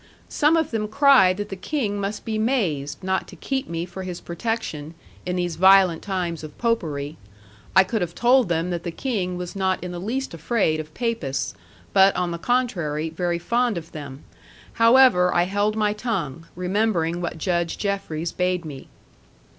Some of them cried that the King must be mazed, not to keep me for his protection, in these violent times of Popery. I could have told them that the King was not in the least afraid of Papists, but on the contrary, very fond of them; however, I held my tongue, remembering what Judge Jeffreys bade me.